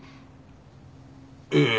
ええ。